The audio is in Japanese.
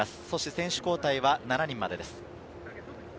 選手交代は７人までです。